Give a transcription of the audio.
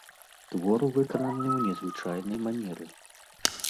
Твор выкананы ў незвычайнай манеры.